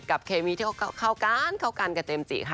กับเคมีที่เขากันกับเจมส์จีรกค่ะ